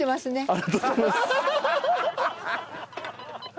ありがとうございます。